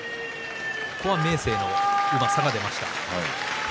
明生のうまさが出ました。